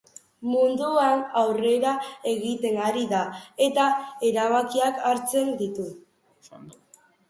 Mundua aurrera egiten ari da eta erabakiak hartzen ditu.